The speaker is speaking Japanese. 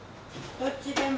どっちでも。